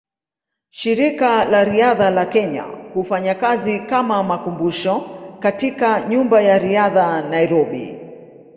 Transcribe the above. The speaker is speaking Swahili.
Shirika la Riadha la Kenya hufanya kazi kama makumbusho katika Nyumba ya Riadha, Nairobi.